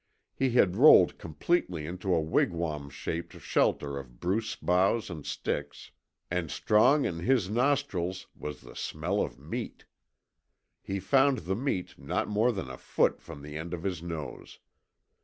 He had rolled completely into a wigwam shaped shelter of spruce boughs and sticks, and strong in his nostrils was the SMELL OF MEAT. He found the meat not more than a foot from the end of his nose.